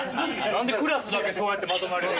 何でクラスだけそうやってまとまりで。